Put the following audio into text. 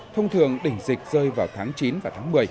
thông thường đỉnh dịch rơi vào tháng chín và tháng một mươi